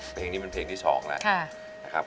เพลงนี้เป็นเพลงที่๒แล้ว